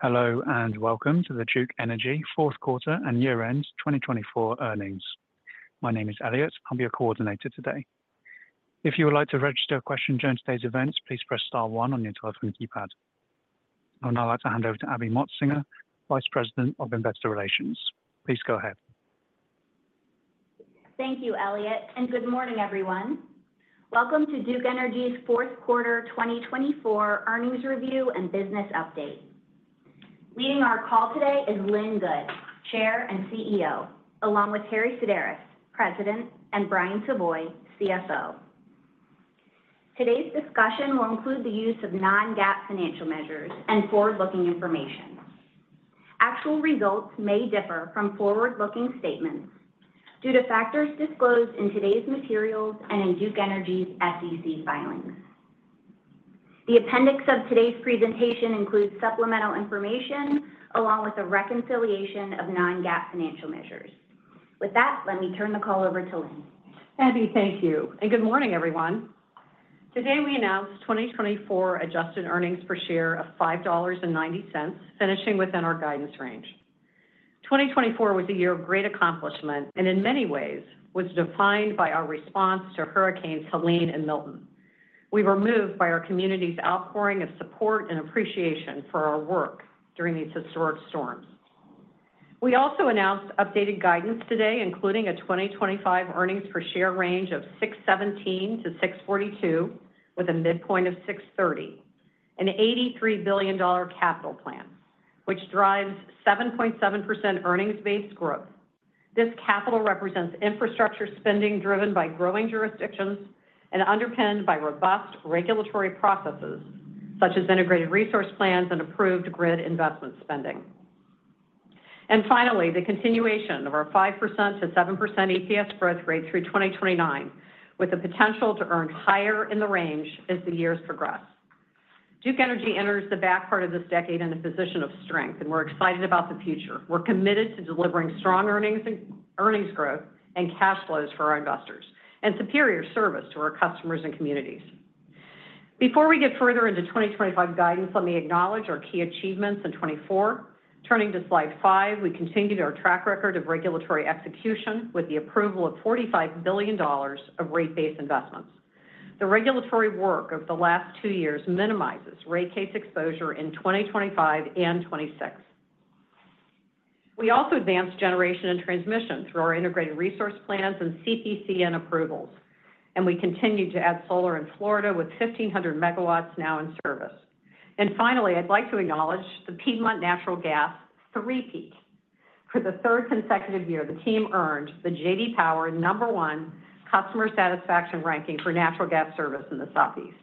Hello and welcome to the Duke Energy Fourth Quarter and Year-End 2024 Earnings. My name is Elliot. I'll be your coordinator today. If you would like to register a question during today's events, please press star one on your telephone keypad. I would now like to hand over to Abby Motsinger, Vice President of Investor Relations. Please go ahead. Thank you, Elliot, and good morning, everyone. Welcome to Duke Energy's Fourth Quarter 2024 Earnings review and business update. Leading our call today is Lynn Good, Chair and CEO, along with Harry Sideris, President, and Brian Savoy, CFO. Today's discussion will include the use of non-GAAP financial measures and forward-looking information. Actual results may differ from forward-looking statements due to factors disclosed in today's materials and in Duke Energy's SEC filings. The appendix of today's presentation includes supplemental information along with a reconciliation of non-GAAP financial measures. With that, let me turn the call over to Lynn. Abby, thank you. Good morning, everyone. Today we announced 2024 adjusted earnings per share of $5.90, finishing within our guidance range. 2024 was a year of great accomplishment and, in many ways, was defined by our response to Hurricanes Helene and Milton. We were moved by our community's outpouring of support and appreciation for our work during these historic storms. We also announced updated guidance today, including a 2025 earnings per share range of $6.17-$6.42, with a midpoint of $6.30, an $83 billion capital plan, which drives 7.7% earnings base growth. This capital represents infrastructure spending driven by growing jurisdictions and underpinned by robust regulatory processes such as integrated resource plans and approved grid investment spending. Finally, the continuation of our 5%-7% EPS growth rate through 2029, with the potential to earn higher in the range as the years progress. Duke Energy enters the back part of this decade in a position of strength, and we're excited about the future. We're committed to delivering strong earnings growth and cash flows for our investors and superior service to our customers and communities. Before we get further into 2025 guidance, let me acknowledge our key achievements in 2024. Turning to Slide 5, we continue our track record of regulatory execution with the approval of $45 billion of rate base investments. The regulatory work of the last two years minimizes rate case exposure in 2025 and 2026. We also advanced generation and transmission through our integrated resource plans and CPCN approvals, and we continue to add solar in Florida with 1,500 megawatts now in service. And finally, I'd like to acknowledge the Piedmont Natural Gas three-peat. For the third consecutive year, the team earned the J.D. Power number one customer satisfaction ranking for natural gas service in the Southeast.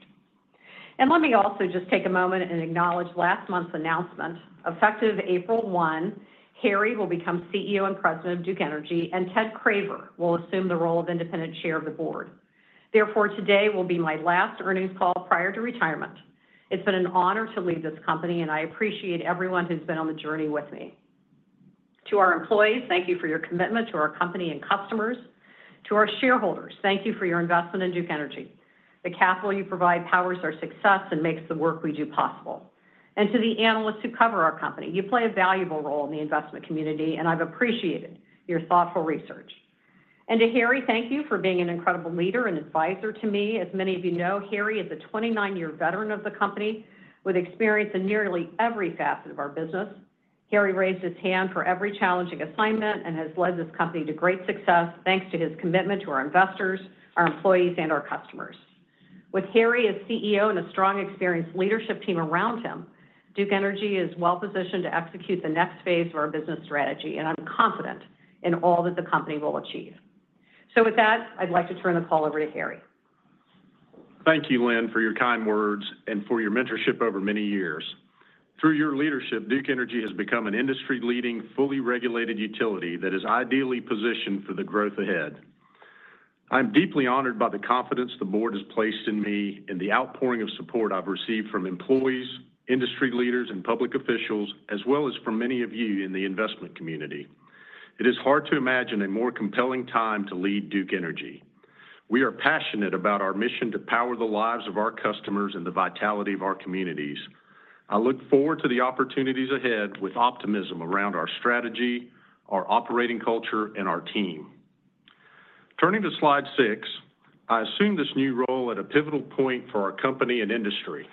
And let me also just take a moment and acknowledge last month's announcement. Effective April 1, Harry will become CEO and President of Duke Energy, and Ted Craver will assume the role of independent chair of the board. Therefore, today will be my last earnings call prior to retirement. It's been an honor to lead this company, and I appreciate everyone who's been on the journey with me. To our employees, thank you for your commitment to our company and customers. To our shareholders, thank you for your investment in Duke Energy. The capital you provide powers our success and makes the work we do possible. And to the analysts who cover our company, you play a valuable role in the investment community, and I've appreciated your thoughtful research. And to Harry, thank you for being an incredible leader and advisor to me. As many of you know, Harry is a 29-year veteran of the company with experience in nearly every facet of our business. Harry raised his hand for every challenging assignment and has led this company to great success thanks to his commitment to our investors, our employees, and our customers. With Harry as CEO and a strong experienced leadership team around him, Duke Energy is well positioned to execute the next phase of our business strategy, and I'm confident in all that the company will achieve. So with that, I'd like to turn the call over to Harry. Thank you, Lynn, for your kind words and for your mentorship over many years. Through your leadership, Duke Energy has become an industry-leading, fully regulated utility that is ideally positioned for the growth ahead. I'm deeply honored by the confidence the board has placed in me and the outpouring of support I've received from employees, industry leaders, and public officials, as well as from many of you in the investment community. It is hard to imagine a more compelling time to lead Duke Energy. We are passionate about our mission to power the lives of our customers and the vitality of our communities. I look forward to the opportunities ahead with optimism around our strategy, our operating culture, and our team. Turning to Slide 6, I assume this new role at a pivotal point for our company and industry.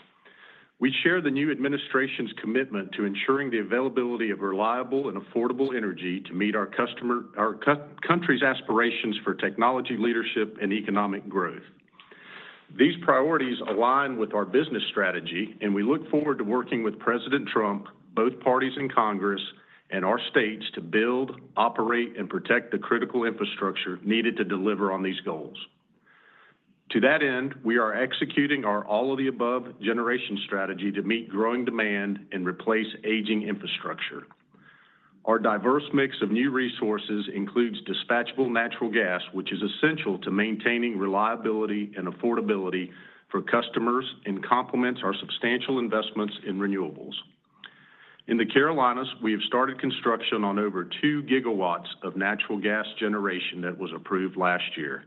We share the new administration's commitment to ensuring the availability of reliable and affordable energy to meet our country's aspirations for technology leadership and economic growth. These priorities align with our business strategy, and we look forward to working with President Trump, both parties in Congress, and our states to build, operate, and protect the critical infrastructure needed to deliver on these goals. To that end, we are executing our All-of-the-Above generation strategy to meet growing demand and replace aging infrastructure. Our diverse mix of new resources includes dispatchable natural gas, which is essential to maintaining reliability and affordability for customers and complements our substantial investments in renewables. In the Carolinas, we have started construction on over two gigawatts of natural gas generation that was approved last year,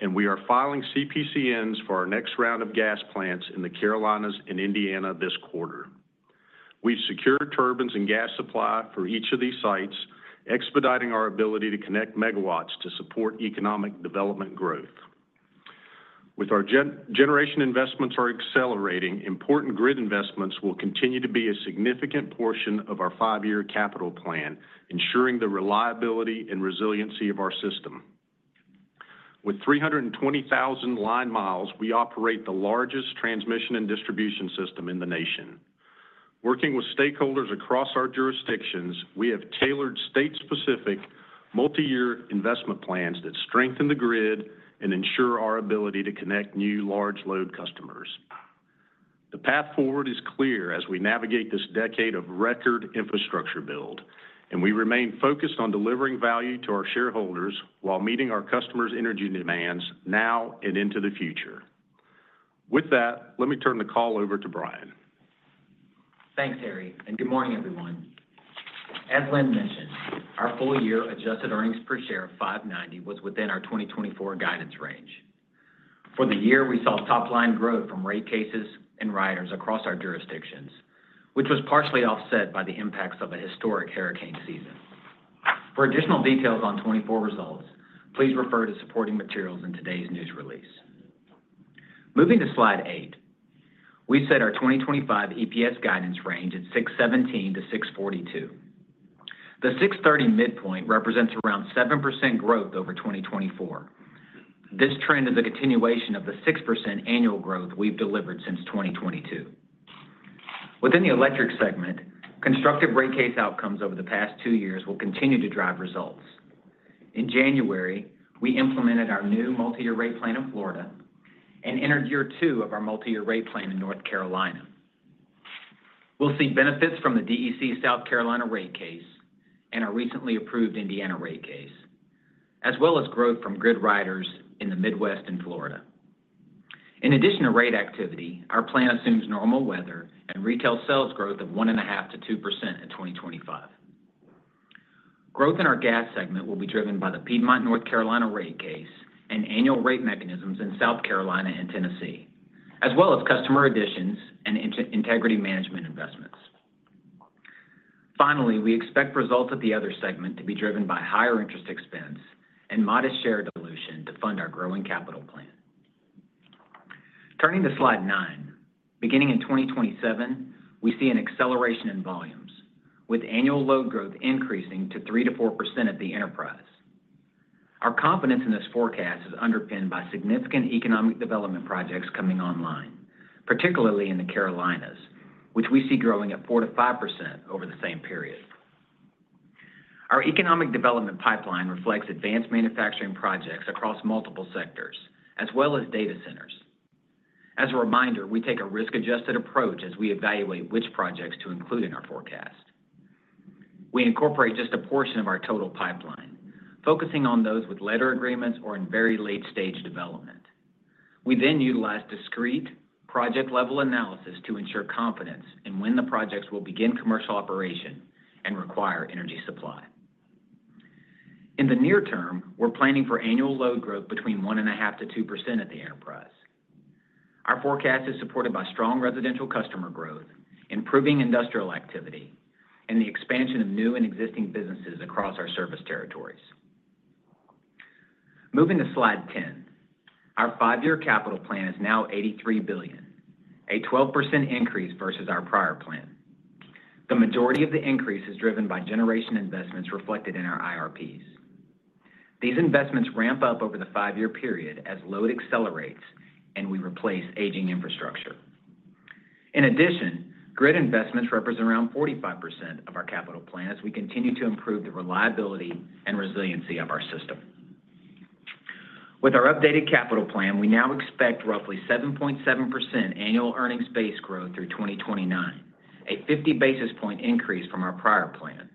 and we are filing CPCNs for our next round of gas plants in the Carolinas and Indiana this quarter. We've secured turbines and gas supply for each of these sites, expediting our ability to connect megawatts to support economic development growth. With our generation investments accelerating, important grid investments will continue to be a significant portion of our five-year capital plan, ensuring the reliability and resiliency of our system. With 320,000 line miles, we operate the largest transmission and distribution system in the nation. Working with stakeholders across our jurisdictions, we have tailored state-specific multi-year investment plans that strengthen the grid and ensure our ability to connect new large load customers. The path forward is clear as we navigate this decade of record infrastructure build, and we remain focused on delivering value to our shareholders while meeting our customers' energy demands now and into the future. With that, let me turn the call over to Brian. Thanks, Harry, and good morning, everyone. As Lynn mentioned, our full-year adjusted earnings per share of $5.90 was within our 2024 guidance range. For the year, we saw top-line growth from rate cases and riders across our jurisdictions, which was partially offset by the impacts of a historic hurricane season. For additional details on 2024 results, please refer to supporting materials in today's news release. Moving to Slide 8, we set our 2025 EPS guidance range at $6.17-$6.42. The $6.30 midpoint represents around 7% growth over 2024. This trend is a continuation of the 6% annual growth we've delivered since 2022. Within the electric segment, constructive rate case outcomes over the past two years will continue to drive results. In January, we implemented our new multi-year rate plan in Florida and entered year two of our multi-year rate plan in North Carolina. We'll see benefits from the DEC South Carolina rate case and our recently approved Indiana rate case, as well as growth from grid riders in the Midwest and Florida. In addition to rate activity, our plan assumes normal weather and retail sales growth of 1.5%-2% in 2025. Growth in our gas segment will be driven by the Piedmont North Carolina rate case and annual rate mechanisms in South Carolina and Tennessee, as well as customer additions and integrity management investments. Finally, we expect results of the other segment to be driven by higher interest expense and modest share dilution to fund our growing capital plan. Turning to Slide 9, beginning in 2027, we see an acceleration in volumes, with annual load growth increasing to 3%-4% at the enterprise. Our confidence in this forecast is underpinned by significant economic development projects coming online, particularly in the Carolinas, which we see growing at 4%-5% over the same period. Our economic development pipeline reflects advanced manufacturing projects across multiple sectors, as well as data centers. As a reminder, we take a risk-adjusted approach as we evaluate which projects to include in our forecast. We incorporate just a portion of our total pipeline, focusing on those with letter agreements or in very late-stage development. We then utilize discrete project-level analysis to ensure confidence in when the projects will begin commercial operation and require energy supply. In the near term, we're planning for annual load growth between 1.5%-2% at the enterprise. Our forecast is supported by strong residential customer growth, improving industrial activity, and the expansion of new and existing businesses across our service territories. Moving to Slide 10, our five-year capital plan is now $83 billion, a 12% increase versus our prior plan. The majority of the increase is driven by generation investments reflected in our IRPs. These investments ramp up over the five-year period as load accelerates and we replace aging infrastructure. In addition, grid investments represent around 45% of our capital plan as we continue to improve the reliability and resiliency of our system. With our updated capital plan, we now expect roughly 7.7% annual earnings-based growth through 2029, a 50 basis point increase from our prior plan.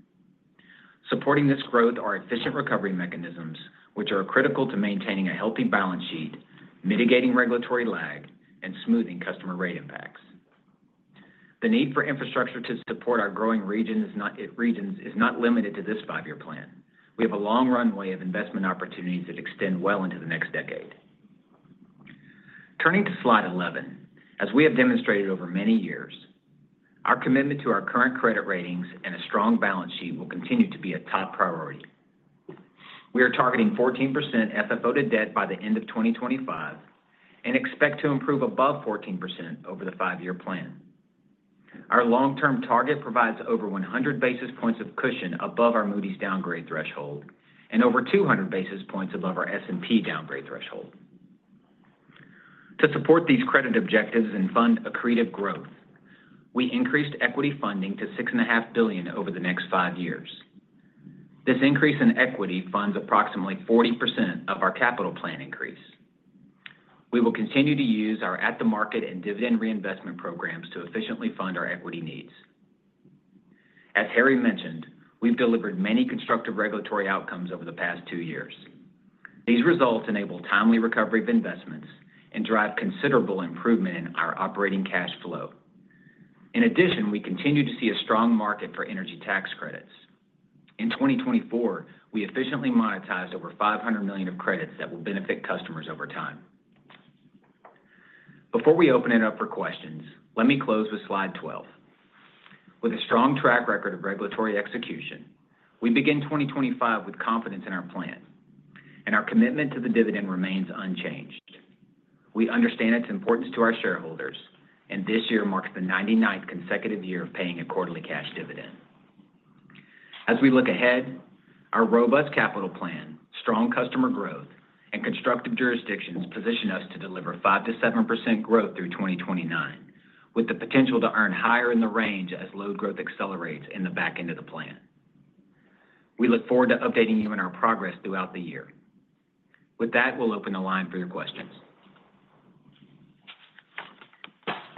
Supporting this growth are efficient recovery mechanisms, which are critical to maintaining a healthy balance sheet, mitigating regulatory lag, and smoothing customer rate impacts. The need for infrastructure to support our growing regions is not limited to this five-year plan. We have a long runway of investment opportunities that extend well into the next decade. Turning to Slide 11, as we have demonstrated over many years, our commitment to our current credit ratings and a strong balance sheet will continue to be a top priority. We are targeting 14% FFO to debt by the end of 2025 and expect to improve above 14% over the five-year plan. Our long-term target provides over 100 basis points of cushion above our Moody's downgrade threshold and over 200 basis points above our S&P downgrade threshold. To support these credit objectives and fund accretive growth, we increased equity funding to $6.5 billion over the next five years. This increase in equity funds approximately 40% of our capital plan increase. We will continue to use our at-the-market and dividend reinvestment programs to efficiently fund our equity needs. As Harry mentioned, we've delivered many constructive regulatory outcomes over the past two years. These results enable timely recovery of investments and drive considerable improvement in our operating cash flow. In addition, we continue to see a strong market for energy tax credits. In 2024, we efficiently monetized over $500 million of credits that will benefit customers over time. Before we open it up for questions, let me close with Slide 12. With a strong track record of regulatory execution, we begin 2025 with confidence in our plan, and our commitment to the dividend remains unchanged. We understand its importance to our shareholders, and this year marks the 99th consecutive year of paying a quarterly cash dividend. As we look ahead, our robust capital plan, strong customer growth, and constructive jurisdictions position us to deliver 5%-7% growth through 2029, with the potential to earn higher in the range as load growth accelerates in the back end of the plan. We look forward to updating you on our progress throughout the year. With that, we'll open the line for your questions.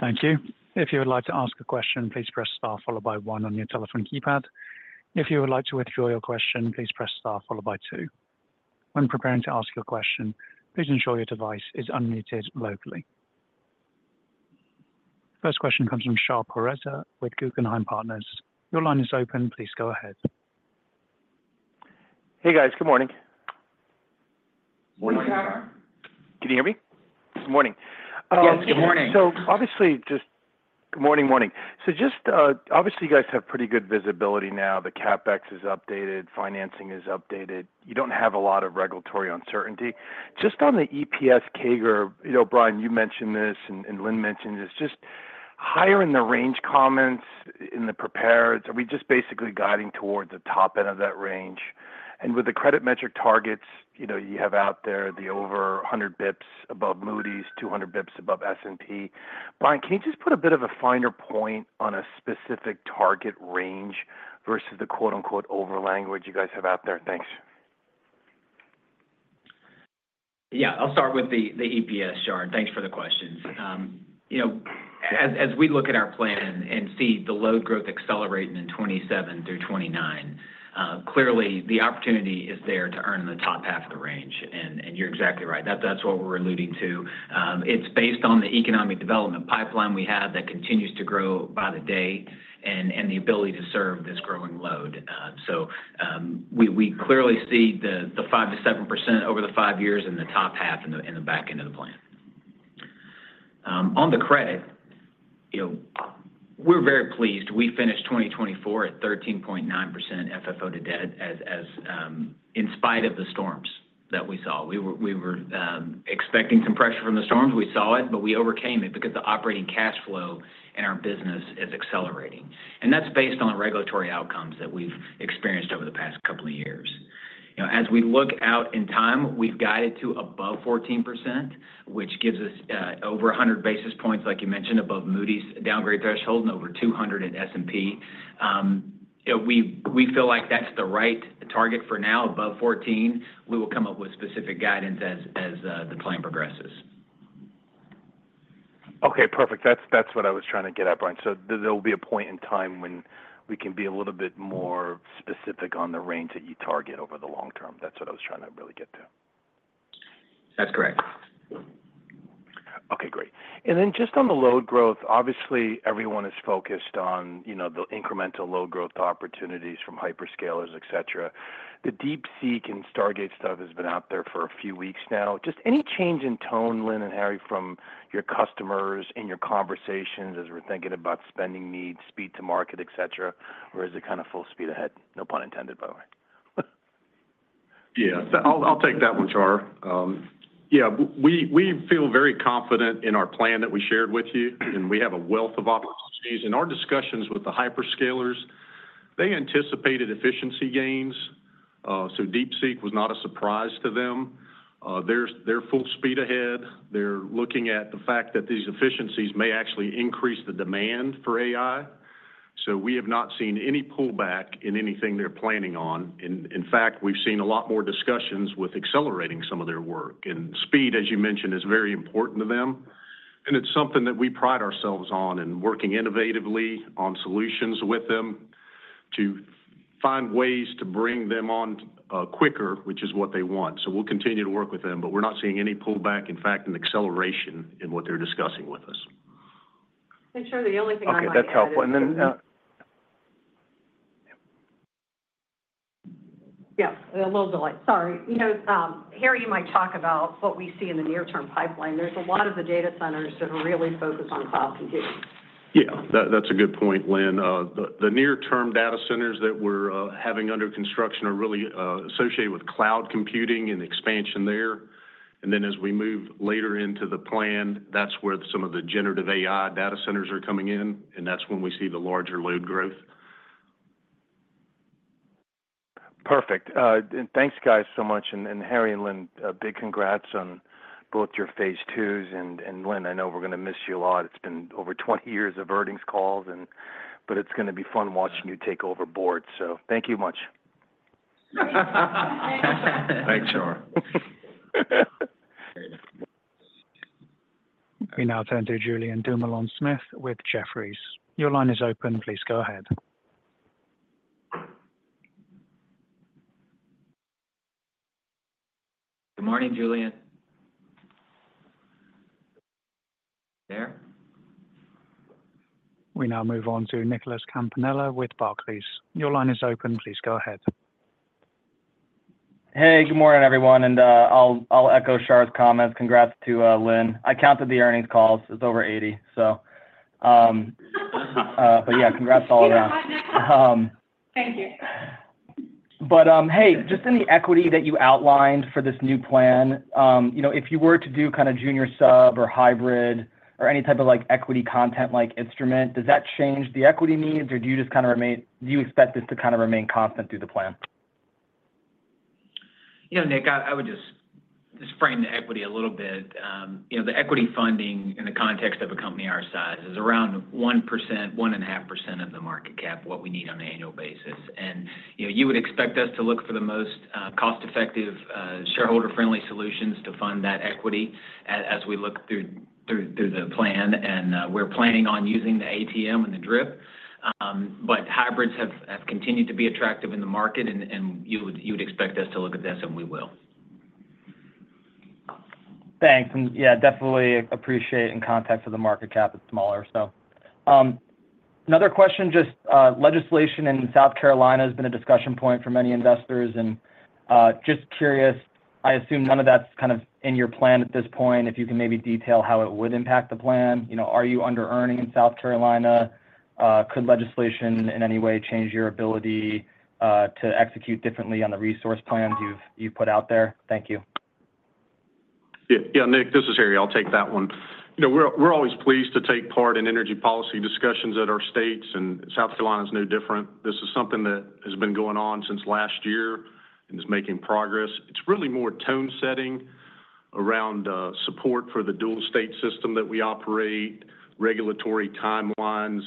Thank you. If you would like to ask a question, please press star followed by one on your telephone keypad. If you would like to withdraw your question, please press star followed by two. When preparing to ask your question, please ensure your device is unmuted locally. First question comes from Shahriar Pourreza with Guggenheim Partners. Your line is open. Please go ahead. Hey, guys. Good morning. Morning. Can you hear me? Good morning. Yes, good morning. Good morning. You guys have pretty good visibility now. The CapEx is updated. Financing is updated. You don't have a lot of regulatory uncertainty. Just on the EPS CAGR, Brian, you mentioned this and Lynn mentioned this. Just higher in the range comments in the prepared, are we just basically guiding towards the top end of that range? And with the credit metric targets you have out there, the over 100 basis points above Moody's, 200 basis points above S&P, Brian, can you just put a bit of a finer point on a specific target range versus the "over" language you guys have out there? Thanks. Yeah. I'll start with the EPS, Shar. Thanks for the questions. As we look at our plan and see the load growth accelerating in 2027 through 2029, clearly, the opportunity is there to earn in the top half of the range, and you're exactly right. That's what we're alluding to. It's based on the economic development pipeline we have that continues to grow by the day and the ability to serve this growing load, so we clearly see the 5%-7% over the five years in the top half in the back end of the plan. On the credit, we're very pleased. We finished 2024 at 13.9% FFO to debt in spite of the storms that we saw. We were expecting some pressure from the storms. We saw it, but we overcame it because the operating cash flow in our business is accelerating. And that's based on the regulatory outcomes that we've experienced over the past couple of years. As we look out in time, we've guided to above 14%, which gives us over 100 basis points, like you mentioned, above Moody's downgrade threshold and over 200 in S&P. We feel like that's the right target for now, above 14. We will come up with specific guidance as the plan progresses. Okay. Perfect. That's what I was trying to get at, Brian. So there will be a point in time when we can be a little bit more specific on the range that you target over the long term. That's what I was trying to really get to. That's correct. Okay. Great. And then just on the load growth, obviously, everyone is focused on the incremental load growth opportunities from hyperscalers, etc. The DeepSeek and Stargate stuff has been out there for a few weeks now. Just any change in tone, Lynn and Harry, from your customers in your conversations as we're thinking about spending needs, speed to market, etc., or is it kind of full speed ahead? No pun intended, by the way. Yeah. I'll take that one, Shar. Yeah. We feel very confident in our plan that we shared with you, and we have a wealth of opportunities. In our discussions with the hyperscalers, they anticipated efficiency gains, so DeepSeek was not a surprise to them. They're full speed ahead. They're looking at the fact that these efficiencies may actually increase the demand for AI. So we have not seen any pullback in anything they're planning on. In fact, we've seen a lot more discussions with accelerating some of their work. And speed, as you mentioned, is very important to them, and it's something that we pride ourselves on and working innovatively on solutions with them to find ways to bring them on quicker, which is what they want. We'll continue to work with them, but we're not seeing any pullback. In fact, in acceleration in what they're discussing with us. Hey, Shar, the only thing I might add. Okay. That's helpful. And then. Yeah. A little delay. Sorry. Harry, you might talk about what we see in the near-term pipeline. There's a lot of the data centers that are really focused on cloud computing. Yeah. That's a good point, Lynn. The near-term data centers that we're having under construction are really associated with cloud computing and expansion there. And then as we move later into the plan, that's where some of the generative AI data centers are coming in, and that's when we see the larger load growth. Perfect. And thanks, guys, so much. And Harry and Lynn, big congrats on both your phase twos. And Lynn, I know we're going to miss you a lot. It's been over 20 years of earnings calls, but it's going to be fun watching you take over boards. So thank you much. Thanks, Shar. We now turn to Julien Dumoulin-Smith with Jefferies. Your line is open. Please go ahead. Good morning, Julien. There? We now move on to Nicholas Campanella with Barclays. Your line is open. Please go ahead. Hey, good morning, everyone. And I'll echo Shar's comments. Congrats to Lynn. I counted the earnings calls. It's over 80, so. But yeah, congrats all around. Thank you. But hey, just in the equity that you outlined for this new plan, if you were to do kind of junior sub or hybrid or any type of equity content instrument, does that change the equity needs, or do you just kind of remain? Do you expect this to kind of remain constant through the plan? Yeah, Nick, I would just frame the equity a little bit. The equity funding in the context of a company our size is around 1%, 1.5% of the market cap, what we need on an annual basis. And you would expect us to look for the most cost-effective, shareholder-friendly solutions to fund that equity as we look through the plan. And we're planning on using the ATM and the DRIP, but hybrids have continued to be attractive in the market, and you would expect us to look at this, and we will. Thanks. And yeah, definitely appreciate in context of the market cap, it's smaller, so. Another question, just legislation in South Carolina has been a discussion point for many investors. And just curious, I assume none of that's kind of in your plan at this point. If you can maybe detail how it would impact the plan. Are you under-earning in South Carolina? Could legislation in any way change your ability to execute differently on the resource plans you've put out there? Thank you. Yeah. Yeah, Nick, this is Harry. I'll take that one. We're always pleased to take part in energy policy discussions in our states, and South Carolina is no different. This is something that has been going on since last year and is making progress. It's really more tone-setting around support for the dual-state system that we operate, regulatory timelines,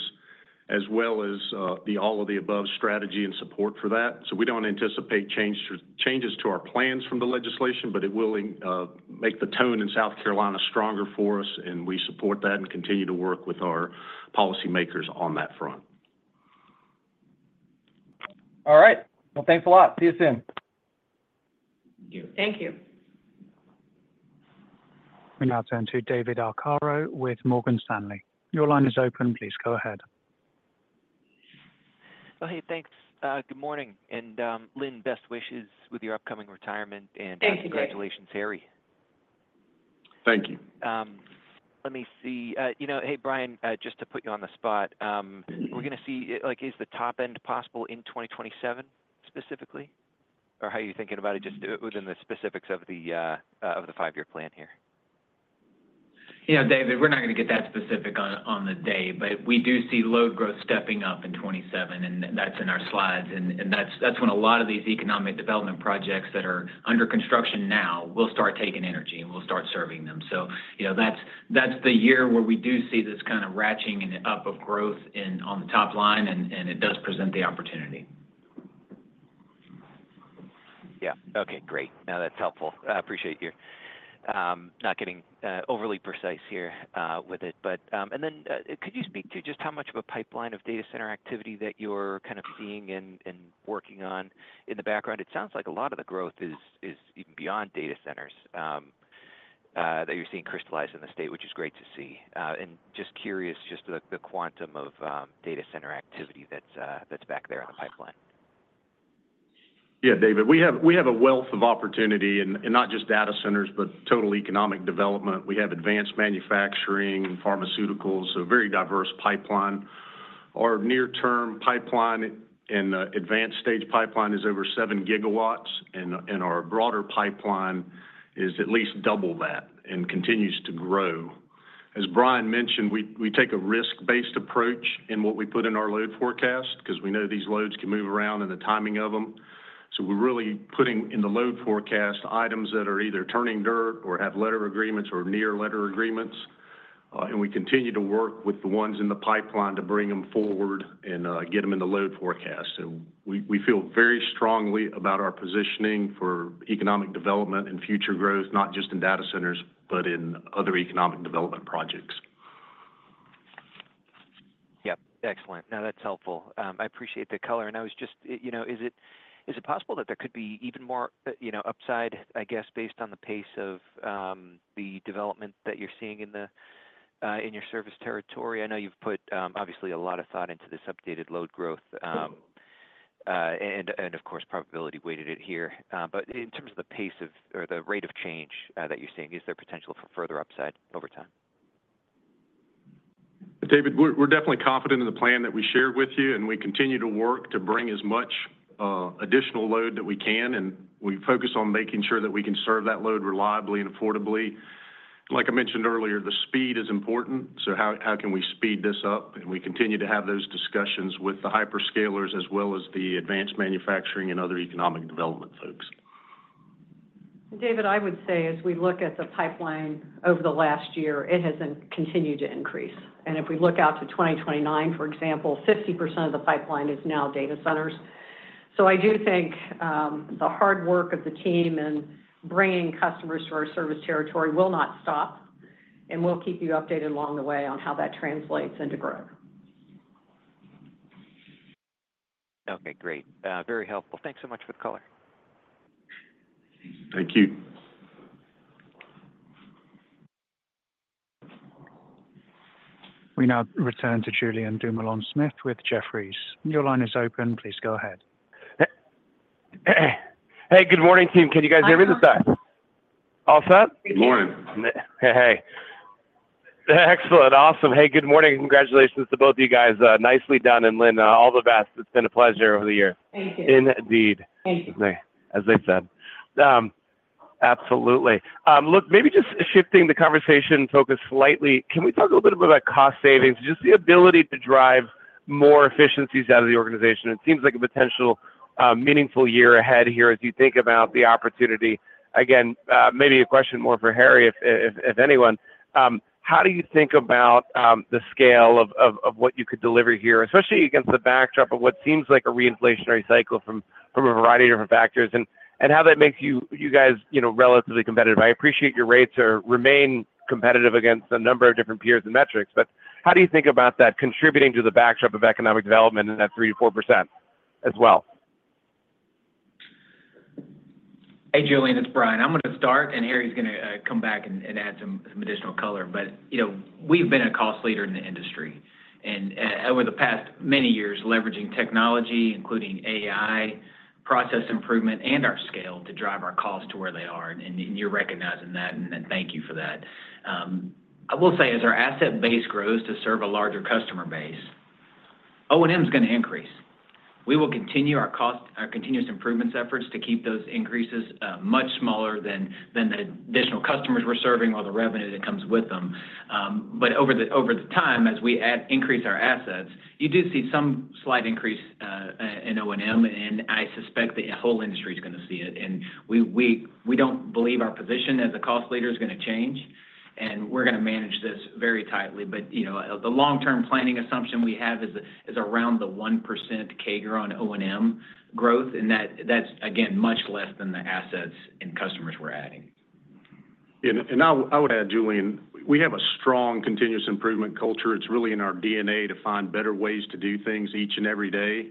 as well as the all-of-the-above strategy and support for that. So we don't anticipate changes to our plans from the legislation, but it will make the tone in South Carolina stronger for us, and we support that and continue to work with our policymakers on that front. All right. Well, thanks a lot. See you soon. Thank you. We now turn to David Arcaro with Morgan Stanley. Your line is open. Please go ahead. Hey, thanks. Good morning. Lynn, best wishes with your upcoming retirement and congratulations, Harry. Thank you. Let me see. Hey, Brian, just to put you on the spot, we're going to see, is the top end possible in 2027 specifically, or how are you thinking about it just within the specifics of the five-year plan here? Yeah, David, we're not going to get that specific on the day, but we do see load growth stepping up in 2027, and that's in our slides. And that's when a lot of these economic development projects that are under construction now will start taking energy, and we'll start serving them. So that's the year where we do see this kind of ratcheting up of growth on the top line, and it does present the opportunity. Yeah. Okay. Great. Now that's helpful. I appreciate you not getting overly precise here with it. And then could you speak to just how much of a pipeline of data center activity that you're kind of seeing and working on in the background? It sounds like a lot of the growth is even beyond data centers that you're seeing crystallize in the state, which is great to see. And just curious, just the quantum of data center activity that's back there in the pipeline. Yeah, David, we have a wealth of opportunity, and not just data centers, but total economic development. We have advanced manufacturing and pharmaceuticals, so a very diverse pipeline. Our near-term pipeline and advanced-stage pipeline is over seven gigawatts, and our broader pipeline is at least double that and continues to grow. As Brian mentioned, we take a risk-based approach in what we put in our load forecast because we know these loads can move around and the timing of them. So we're really putting in the load forecast items that are either turning dirt or have letter agreements or near-letter agreements. And we continue to work with the ones in the pipeline to bring them forward and get them in the load forecast. So we feel very strongly about our positioning for economic development and future growth, not just in data centers, but in other economic development projects. Yep. Excellent. No, that's helpful. I appreciate the color. And I was just, is it possible that there could be even more upside, I guess, based on the pace of the development that you're seeing in your service territory? I know you've put, obviously, a lot of thought into this updated load growth and, of course, probability-weighted it here. But in terms of the pace or the rate of change that you're seeing, is there potential for further upside over time? David, we're definitely confident in the plan that we shared with you, and we continue to work to bring as much additional load that we can. And we focus on making sure that we can serve that load reliably and affordably. Like I mentioned earlier, the speed is important. So how can we speed this up? And we continue to have those discussions with the hyperscalers as well as the advanced manufacturing and other economic development folks. David, I would say, as we look at the pipeline over the last year, it has continued to increase. And if we look out to 2029, for example, 50% of the pipeline is now data centers. So I do think the hard work of the team in bringing customers to our service territory will not stop, and we'll keep you updated along the way on how that translates into growth. Okay. Great. Very helpful. Thanks so much for the color. Thank you. We now return to Julien Dumoulin-Smith with Jefferies. Your line is open. Please go ahead. Hey. Hey. Hey. Good morning, team. Can you guys hear me this time? All set? Good morning. Hey. Hey. Excellent. Awesome. Hey, good morning. Congratulations to both of you guys. Nicely done, and Lynn, all the best. It's been a pleasure over the years. Thank you. Indeed. Thank you. As they said. Absolutely. Look, maybe just shifting the conversation focus slightly, can we talk a little bit about cost savings, just the ability to drive more efficiencies out of the organization? It seems like a potential meaningful year ahead here as you think about the opportunity. Again, maybe a question more for Harry, if anyone. How do you think about the scale of what you could deliver here, especially against the backdrop of what seems like a reinflationary cycle from a variety of different factors and how that makes you guys relatively competitive? I appreciate your rates remain competitive against a number of different peers and metrics, but how do you think about that contributing to the backdrop of economic development and that 3%-4% as well? Hey, Julien, it's Brian. I'm going to start, and Harry's going to come back and add some additional color. But we've been a cost leader in the industry and over the past many years leveraging technology, including AI, process improvement, and our scale to drive our costs to where they are. And you're recognizing that, and thank you for that. I will say, as our asset base grows to serve a larger customer base, O&M is going to increase. We will continue our continuous improvements efforts to keep those increases much smaller than the additional customers we're serving or the revenue that comes with them. But over the time, as we increase our assets, you do see some slight increase in O&M, and I suspect the whole industry is going to see it. We don't believe our position as a cost leader is going to change, and we're going to manage this very tightly. The long-term planning assumption we have is around the 1% CAGR on O&M growth, and that's, again, much less than the assets and customers we're adding. I would add, Julian, we have a strong continuous improvement culture. It's really in our DNA to find better ways to do things each and every day.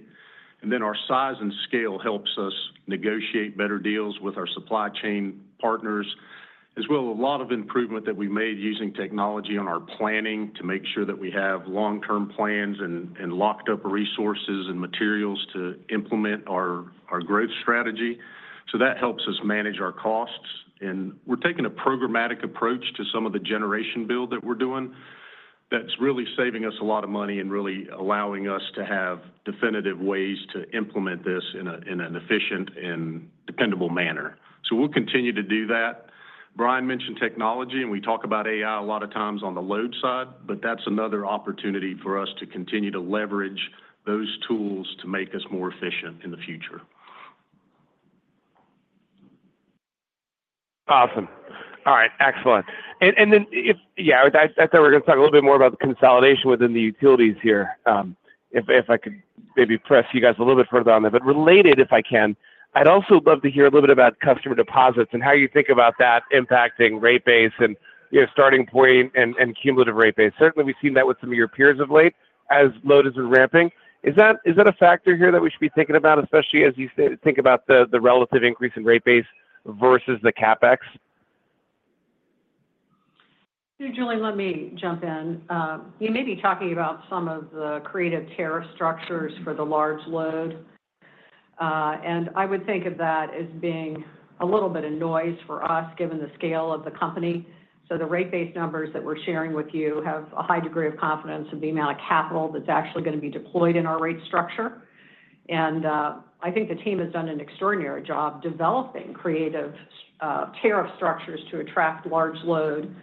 And then our size and scale helps us negotiate better deals with our supply chain partners, as well as a lot of improvement that we've made using technology on our planning to make sure that we have long-term plans and locked-up resources and materials to implement our growth strategy. So that helps us manage our costs. And we're taking a programmatic approach to some of the generation build that we're doing that's really saving us a lot of money and really allowing us to have definitive ways to implement this in an efficient and dependable manner. So we'll continue to do that. Brian mentioned technology, and we talk about AI a lot of times on the load side, but that's another opportunity for us to continue to leverage those tools to make us more efficient in the future. Awesome. All right. Excellent. And then, yeah, I thought we were going to talk a little bit more about the consolidation within the utilities here, if I could maybe press you guys a little bit further on that. But related, if I can, I'd also love to hear a little bit about customer deposits and how you think about that impacting rate base and starting point and cumulative rate base. Certainly, we've seen that with some of your peers of late as load has been ramping. Is that a factor here that we should be thinking about, especially as you think about the relative increase in rate base versus the CapEx? Julian, let me jump in. You may be talking about some of the creative tariff structures for the large load, and I would think of that as being a little bit of noise for us, given the scale of the company. So the rate-based numbers that we're sharing with you have a high degree of confidence in the amount of capital that's actually going to be deployed in our rate structure. And I think the team has done an extraordinary job developing creative tariff structures to attract large load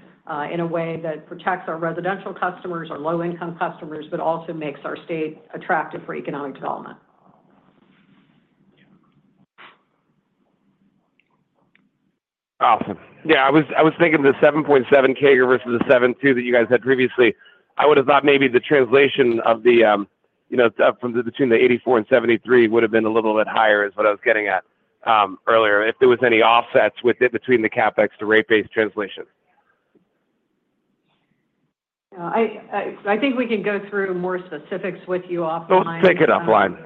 in a way that protects our residential customers, our low-income customers, but also makes our state attractive for economic development. Awesome. Yeah. I was thinking the 7.7 CAGR versus the 7.2 that you guys had previously. I would have thought maybe the translation between the 84 and 73 would have been a little bit higher, is what I was getting at earlier, if there was any offsets with it between the CapEx to rate base translation. I think we can go through more specifics with you offline. Let's take it offline.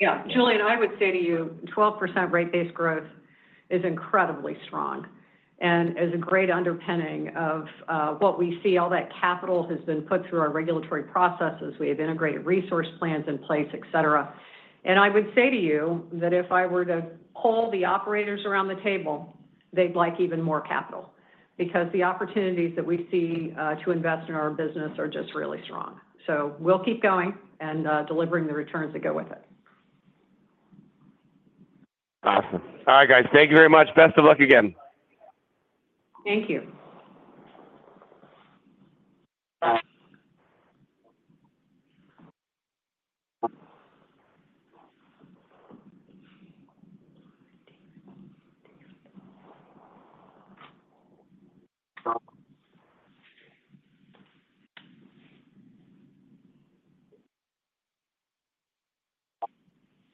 Yeah. Julian, I would say to you, 12% rate-based growth is incredibly strong and is a great underpinning of what we see. All that capital has been put through our regulatory processes. We have integrated resource plans in place, etc., and I would say to you that if I were to pull the operators around the table, they'd like even more capital because the opportunities that we see to invest in our business are just really strong, so we'll keep going and delivering the returns that go with it. Awesome. All right, guys. Thank you very much. Best of luck again. Thank you.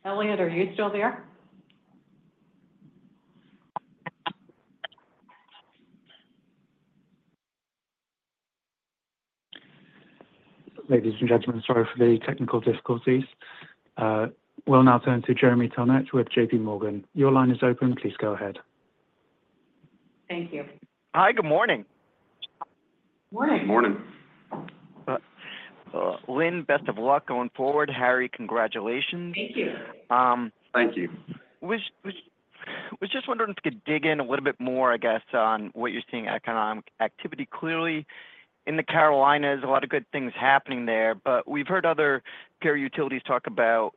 Elliott, are you still there? Ladies and gentlemen, sorry for the technical difficulties. We'll now turn to Jeremy Tonet with JPMorgan. Your line is open. Please go ahead. Thank you. Hi. Good morning. Morning. Morning. Lynn, best of luck going forward. Harry, congratulations. Thank you. Thank you. I was just wondering if we could dig in a little bit more, I guess, on what you're seeing in economic activity. Clearly, in the Carolinas, a lot of good things happening there, but we've heard other peer utilities talk about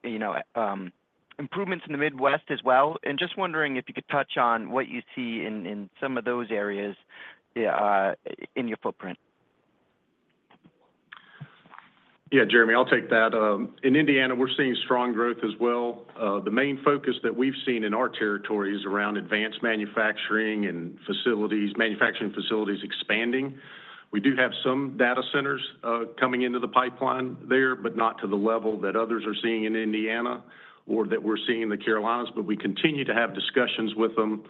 improvements in the Midwest as well, and just wondering if you could touch on what you see in some of those areas in your footprint. Yeah, Jeremy, I'll take that. In Indiana, we're seeing strong growth as well. The main focus that we've seen in our territory is around advanced manufacturing and facilities, manufacturing facilities expanding. We do have some data centers coming into the pipeline there, but not to the level that others are seeing in Indiana or that we're seeing in the Carolinas. But we continue to have discussions with them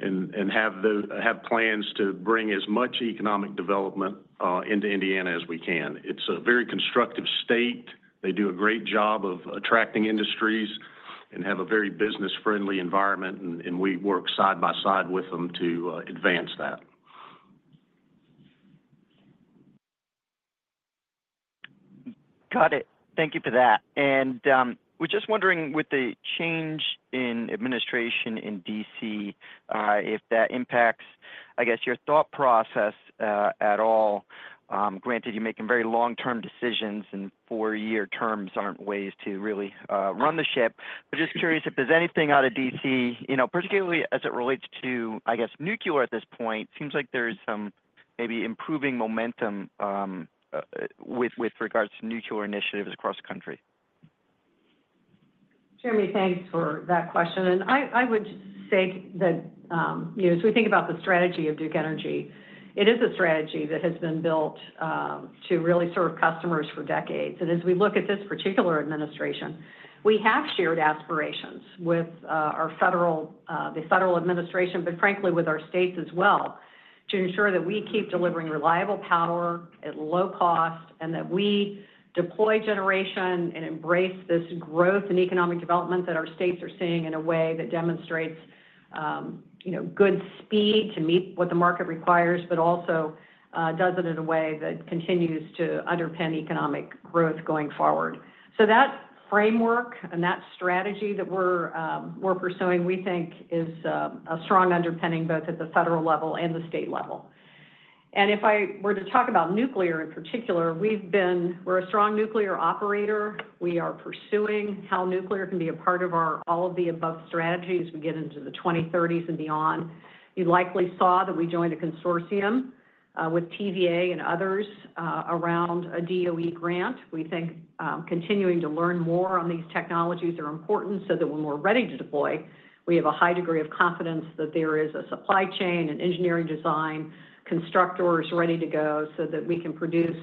and have plans to bring as much economic development into Indiana as we can. It's a very constructive state. They do a great job of attracting industries and have a very business-friendly environment, and we work side by side with them to advance that. Got it. Thank you for that. And we're just wondering, with the change in administration in D.C., if that impacts, I guess, your thought process at all. Granted, you're making very long-term decisions, and four-year terms aren't ways to really run the ship. But just curious if there's anything out of D.C., particularly as it relates to, I guess, nuclear at this point. It seems like there's some maybe improving momentum with regards to nuclear initiatives across the country. Jeremy, thanks for that question. And I would say that as we think about the strategy of Duke Energy, it is a strategy that has been built to really serve customers for decades. And as we look at this particular administration, we have shared aspirations with the federal administration, but frankly, with our states as well, to ensure that we keep delivering reliable power at low cost and that we deploy generation and embrace this growth in economic development that our states are seeing in a way that demonstrates good speed to meet what the market requires, but also does it in a way that continues to underpin economic growth going forward. So that framework and that strategy that we're pursuing, we think, is a strong underpinning both at the federal level and the state level. If I were to talk about nuclear in particular, we're a strong nuclear operator. We are pursuing how nuclear can be a part of all of the above strategies as we get into the 2030s and beyond. You likely saw that we joined a consortium with TVA and others around a DOE grant. We think continuing to learn more on these technologies is important so that when we're ready to deploy, we have a high degree of confidence that there is a supply chain, an engineering design, constructors ready to go so that we can produce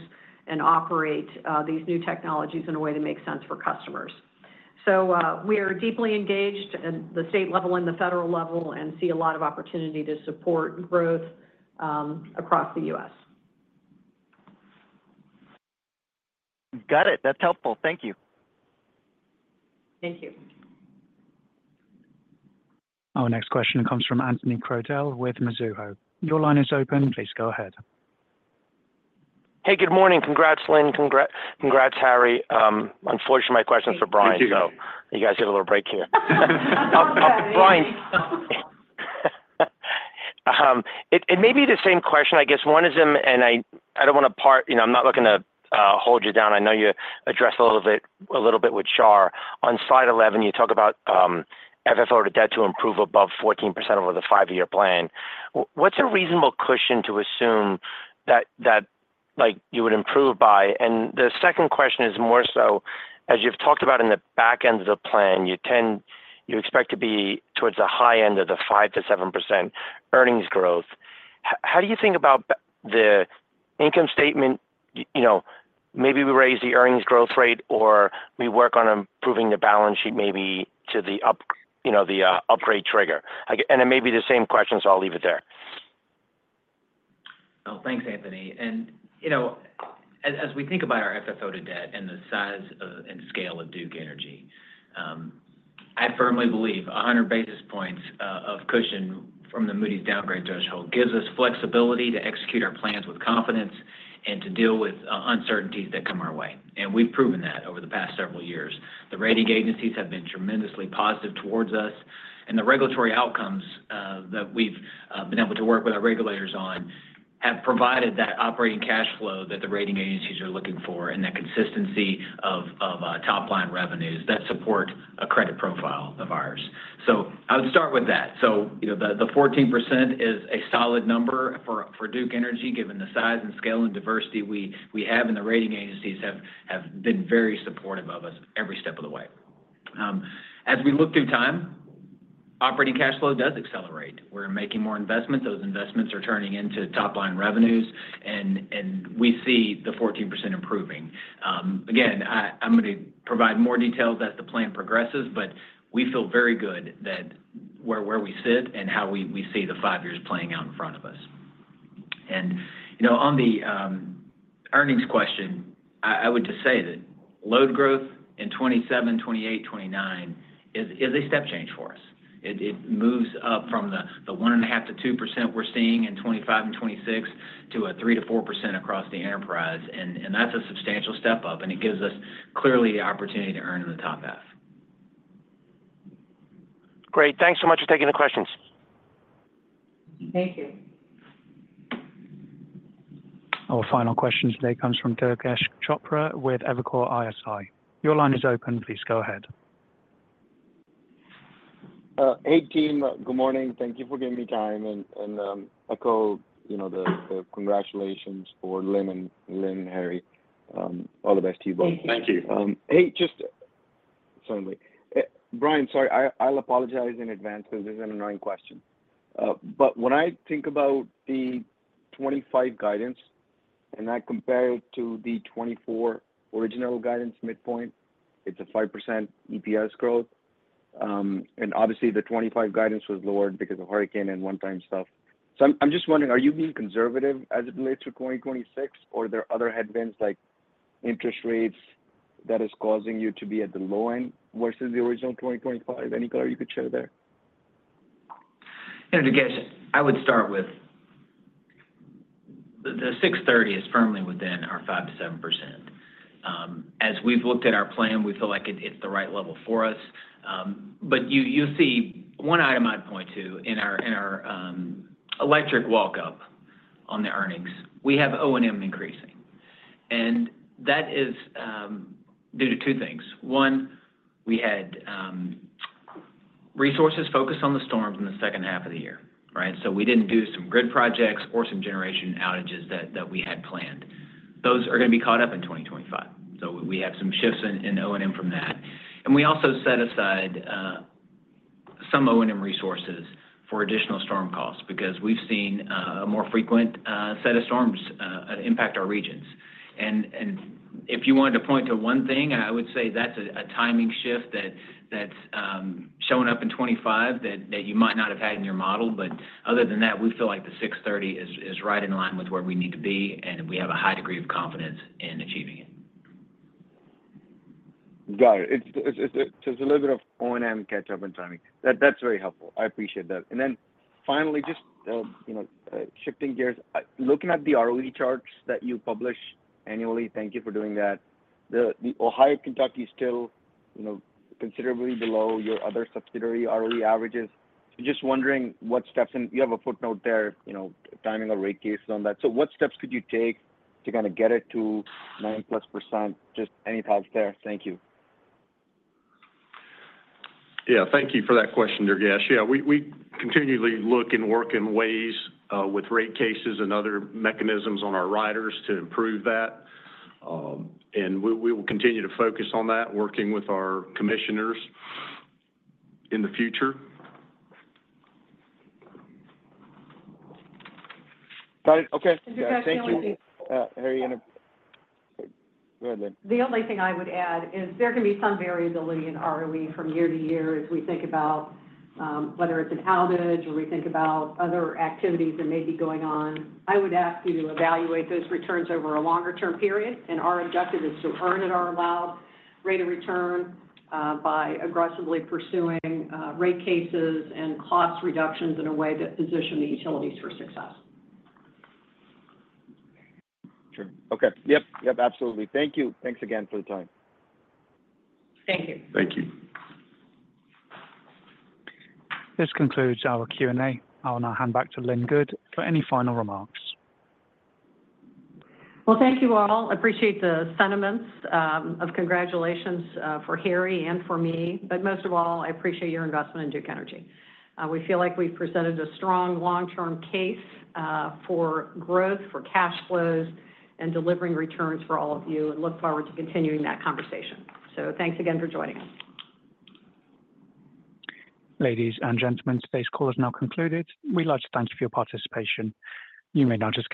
and operate these new technologies in a way that makes sense for customers. We are deeply engaged at the state level and the federal level and see a lot of opportunity to support growth across the U.S. Got it. That's helpful. Thank you. Thank you. Our next question comes from Anthony Crowdell with Mizuho. Your line is open. Please go ahead. Hey, good morning. Congrats, Lynn. Congrats, Harry. Unfortunately, my question's for Brian, so you guys get a little break here. Brian. It may be the same question, I guess. One is, and I don't want to part. I'm not looking to hold you down. I know you addressed a little bit with Shar. On Slide 11, you talk about FFO to debt to improve above 14% over the five-year plan. What's a reasonable cushion to assume that you would improve by? And the second question is more so, as you've talked about in the back end of the plan, you expect to be towards the high end of the 5-7% earnings growth. How do you think about the income statement? Maybe we raise the earnings growth rate or we work on improving the balance sheet maybe to the upgrade trigger. It may be the same question, so I'll leave it there. Thanks, Anthony. As we think about our FFO to debt and the size and scale of Duke Energy, I firmly believe 100 basis points of cushion from the Moody's downgrade threshold gives us flexibility to execute our plans with confidence and to deal with uncertainties that come our way. We've proven that over the past several years. The rating agencies have been tremendously positive towards us, and the regulatory outcomes that we've been able to work with our regulators on have provided that operating cash flow that the rating agencies are looking for and that consistency of top-line revenues that support a credit profile of ours. I would start with that. The 14% is a solid number for Duke Energy given the size and scale and diversity we have, and the rating agencies have been very supportive of us every step of the way. As we look through time, operating cash flow does accelerate. We're making more investments. Those investments are turning into top-line revenues, and we see the 14% improving. Again, I'm going to provide more details as the plan progresses, but we feel very good where we sit and how we see the five years playing out in front of us. On the earnings question, I would just say that load growth in 2027, 2028, 2029 is a step change for us. It moves up from the 1.5%-2% we're seeing in 2025 and 2026 to a 3%-4% across the enterprise, and that's a substantial step up, and it gives us clearly the opportunity to earn in the top half. Great. Thanks so much for taking the questions. Thank you. Our final question today comes from Durgesh Chopra with Evercore ISI. Your line is open. Please go ahead. Hey, team. Good morning. Thank you for giving me time, and a call the congratulations for Lynn and Harry. All the best to you both. Thank you. Hey, just suddenly. Brian, sorry. I'll apologize in advance because this is an annoying question. But when I think about the 2025 guidance and I compare it to the 2024 original guidance midpoint, it's a 5% EPS growth. And obviously, the 2025 guidance was lowered because of hurricane and one-time stuff. So I'm just wondering, are you being conservative as it relates to 2026, or are there other headwinds like interest rates that are causing you to be at the low end versus the original 2025? Any color you could share there? You know, Durgesh, I would start with the 630 is firmly within our 5%-7%. As we've looked at our plan, we feel like it's the right level for us. But you'll see one item I'd point to in our electric walk-up on the earnings. We have O&M increasing, and that is due to two things. One, we had resources focused on the storms in the second half of the year, right? So we didn't do some grid projects or some generation outages that we had planned. Those are going to be caught up in 2025. So we have some shifts in O&M from that. And we also set aside some O&M resources for additional storm costs because we've seen a more frequent set of storms impact our regions. If you wanted to point to one thing, I would say that's a timing shift that's showing up in 2025 that you might not have had in your model. Other than that, we feel like the $6.30 is right in line with where we need to be, and we have a high degree of confidence in achieving it. Got it. So it's a little bit of O&M catch-up and timing. That's very helpful. I appreciate that. And then finally, just shifting gears, looking at the ROE charts that you publish annually (thank you for doing that) the Ohio-Kentucky is still considerably below your other subsidiary ROE averages. Just wondering what steps (and you have a footnote there) timing of rate cases on that. So what steps could you take to kind of get it to 9-plus%? Just any thoughts there? Thank you. Yeah. Thank you for that question, Durgesh. Yeah, we continually look and work in ways with rate cases and other mechanisms on our riders to improve that. And we will continue to focus on that, working with our commissioners in the future. Got it. Okay. Thank you. Thank you. Harry. The only thing I would add is there can be some variability in ROE from year to year as we think about whether it's an outage or we think about other activities that may be going on. I would ask you to evaluate those returns over a longer-term period, and our objective is to earn at our allowed rate of return by aggressively pursuing rate cases and cost reductions in a way that positions the utilities for success. Sure. Okay. Yep. Yep. Absolutely. Thank you. Thanks again for the time. Thank you. Thank you. This concludes our Q&A. I'll now hand back to Lynn Good for any final remarks. Thank you all. I appreciate the sentiments of congratulations for Harry and for me. But most of all, I appreciate your investment in Duke Energy. We feel like we've presented a strong long-term case for growth, for cash flows, and delivering returns for all of you, and look forward to continuing that conversation. Thanks again for joining us. Ladies and gentlemen, today's call is now concluded. We'd like to thank you for your participation. You may now just.